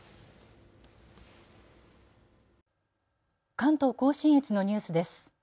関東甲信越のニュースです。